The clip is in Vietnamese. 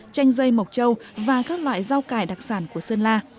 chanh dây mộc châu và các loại rau cải đặc sản của sơn la